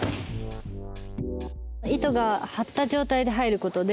糸が張った状態で入ることで